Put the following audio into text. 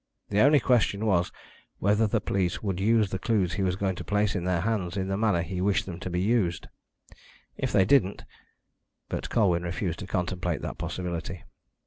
The only question was whether the police would use the clues he was going to place in their hands in the manner he wished them to be used. If they didn't but Colwyn refused to contemplate that possibility.